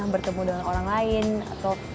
bertemu dengan orang lain atau